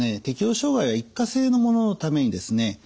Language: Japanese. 適応障害は一過性のもののためにですね